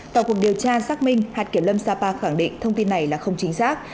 tại cuộc điều tra xác minh hạt kiểm lâm sapa khẳng định thông tin này là không chính xác